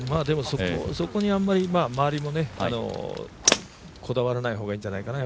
そこにあまり、周りもこだわらない方がいいんじゃないかな。